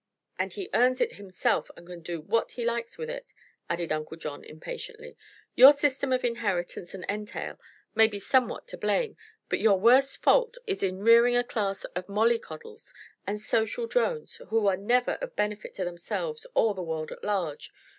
"And he earns it himself and can do what he likes with it," added Uncle John, impatiently. "Your system of inheritance and entail may be somewhat to blame, but your worst fault is in rearing a class of mollycoddles and social drones who are never of benefit to themselves or the world at large.